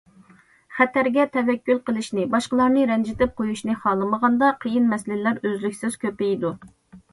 خەتەرگە تەۋەككۈل قىلىشنى، باشقىلارنى رەنجىتىپ قويۇشنى خالىمىغاندا، قىيىن مەسىلىلەر ئۈزلۈكسىز كۆپىيىدۇ.